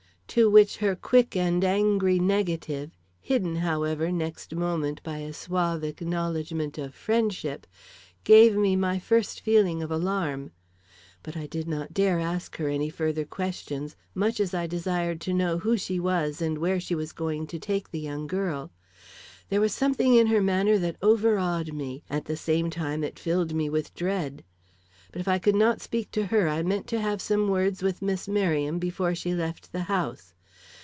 to which her quick and angry negative, hidden, however, next moment, by a suave acknowledgment of friendship, gave me my first feeling of alarm. But I did not dare to ask her any further questions, much as I desired to know who she was and where she was going to take the young girl. There was something in her manner that overawed me, at the same time it filled me with dread. But if I could not speak to her I meant to have some words with Miss Merriam before she left the house.